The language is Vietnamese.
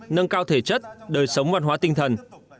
nâng cao thể chất đời sống văn hóa tinh thần